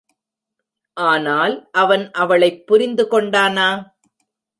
ஆனால் அவன் அவளைப் புரிந்துகொண்டானா?